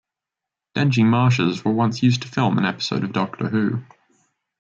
Dengie marshes were once used to film an episode of Doctor Who.